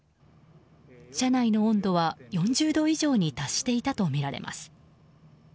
車内の温度は４０度以上に達していたとみられます。